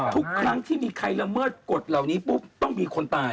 ทุกครั้งที่มีใครละเมิดกฎเหล่านี้ปุ๊บต้องมีคนตาย